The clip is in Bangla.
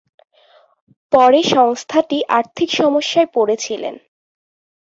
পড়ে সংস্থাটি আর্থিক সমস্যায় পড়েছিলেন।